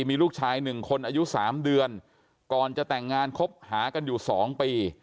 มีลูกชายหนึ่งคนอายุ๓เดือนก่อนจะแต่งงานคบหากันอยู่๒ปี